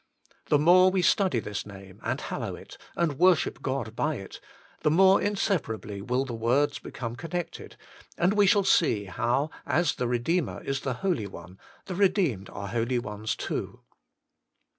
The more we study this name, and hallow it, and wor ship God by it, the more inseparably will the words become connected, and we shall see how, as the Eedeemer is the Holy One, the redeemed are holy ones too.